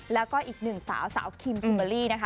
แล้วก็อีกหนึ่งสาวสาวคิมคิมเบอร์รี่นะคะ